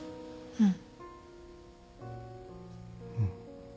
うん。